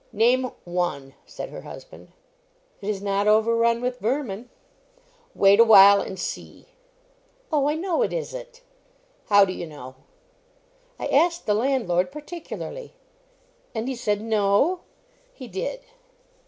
"Name one," said her husband. "It is not overrun with vermin." "Wait a while and see." "Oh, I know it isn't." "How do you know?" "I asked the landlord particularly." "And he said no?" "He did."